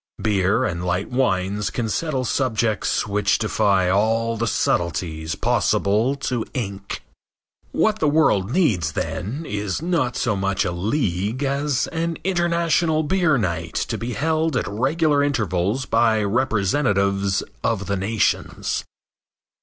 Beer and light wines can settle subjects which defy all the subtleties possible to ink. What the world needs, then, is not so much a league as an international beer night to be held at regular intervals by representatives of the nations.